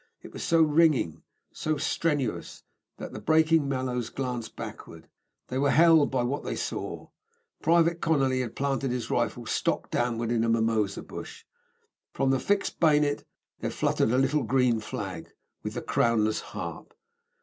It was so ringing, so strenuous, that the breaking Mallows glanced backwards. They were held by what they saw. Private Conolly had planted his rifle stock downwards in a mimosa bush. From the fixed bayonet there fluttered a little green flag with the crownless harp.